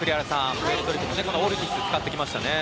プエルトリコがオルティスを使ってきましたね。